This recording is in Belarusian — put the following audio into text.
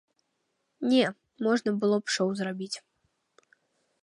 Не, можна было б шоў зрабіць.